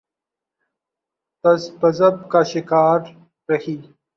تذبذب کا شکار رہی۔